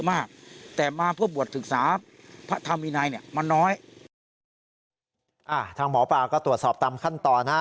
อ่าทางหมอปลาก็ตรวจสอบตามขั้นต่อนะ